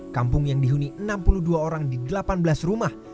kampung yang dihuni enam puluh dua orang di delapan belas rumah